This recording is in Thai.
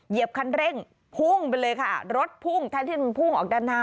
เหยียบคันเร่งพุ่งไปเลยค่ะรถพุ่งแทนที่มันพุ่งออกด้านหน้า